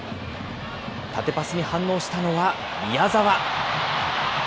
縦パスに反応したのは宮澤。